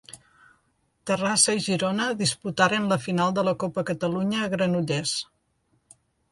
Terrassa i Girona disputaren la final de la Copa Catalunya a Granollers.